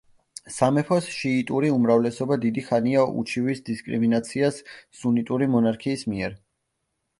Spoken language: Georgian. სამეფოს შიიტური უმრავლესობა დიდი ხანია უჩივის დისკრიმინაციას სუნიტური მონარქიის მიერ.